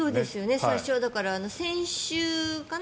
最初は先週かな？